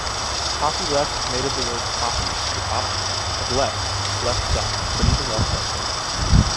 Copyleft is made of the words ""copy"" (to copy) and ""left"" (left side, but even left by someone).